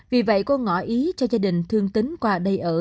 vì vậy cô ngõ ý cho gia đình thương tính qua đây ở